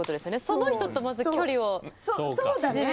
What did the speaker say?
その人とまず距離をそうだね！